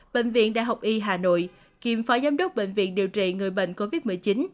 bệnh viện đại học y hà nội kiêm phó giám đốc bệnh viện điều trị người bệnh covid một mươi chín